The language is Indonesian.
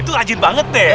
itu rajin banget deh